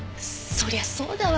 そりゃそうだわ。